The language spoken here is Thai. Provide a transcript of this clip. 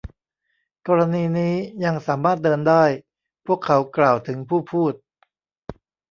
กรณีนี้ ยังสามารถเดินได้ พวกเขากล่าวถึงผู้พูด